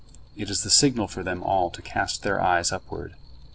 It is the signal for them all to cast their eyes upward.